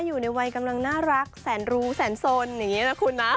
อยู่ในวัยกำลังน่ารักแสนรู้แสนสนอย่างนี้นะคุณนะ